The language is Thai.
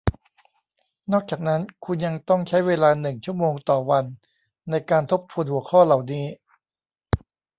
นอกจากนั้นคุณยังต้องใช้เวลาหนึ่งชั่วโมงต่อวันในการทบทวนหัวข้อเหล่านี้